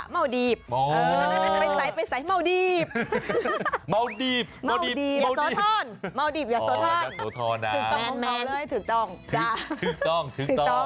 มาลดีฟอีสานมาลดีฟมาลดีฟ